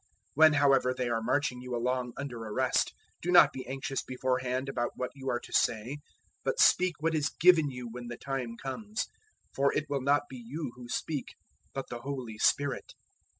013:011 When however they are marching you along under arrest, do not be anxious beforehand about what you are to say, but speak what is given you when the time comes; for it will not be you who speak, but the Holy Spirit.